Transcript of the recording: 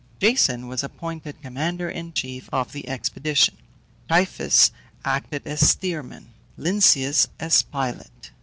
Jason was appointed commander in chief of the expedition, Tiphys acted as steersman, Lynceus as pilot.